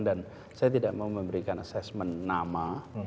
dan saya tidak mau memberikan assessment nama